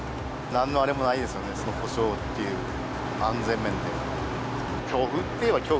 なんのあれもないですよね、保証っていう、安全面で。